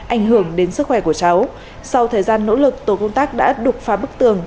ảnh hưởng đến sức khỏe của cháu sau thời gian nỗ lực tổ công tác đã đục phá bức tường